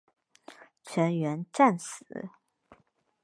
全员战死。